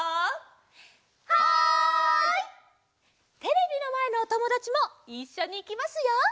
テレビのまえのおともだちもいっしょにいきますよ！